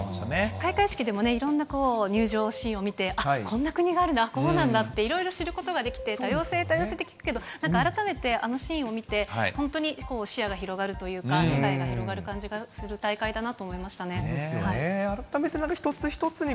開会式でもいろんなこう、入場シーンを見て、あっ、こんな国があるんだ、こうなんだって、いろいろ知ることができて、多様性、多様性って聞くけどなんか改めてあのシーンを見て、本当に視野が広がるというか、世界が広がる感じがする大会だなと思いましたね。